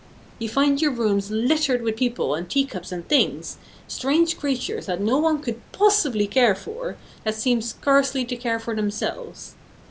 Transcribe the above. You find your rooms littered with people and teacups and things, strange creatures that no one could possibly care for, that seem scarcely to care for themselves.